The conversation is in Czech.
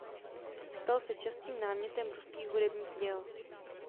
Stal se častým námětem ruských hudebních děl.